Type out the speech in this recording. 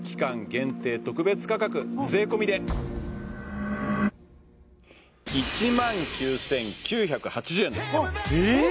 限定特別価格税込で１９９８０円ですええっ！？